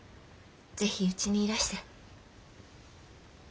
是非うちにいらして。